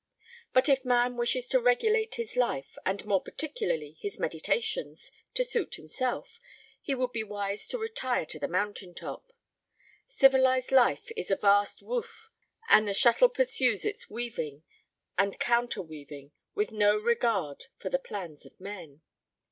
But if man wishes to regulate his life, and more particularly his meditations, to suit himself he would be wise to retire to a mountain top. Civilized life is a vast woof and the shuttle pursues its weaving and counter weaving with no regard for the plans of men.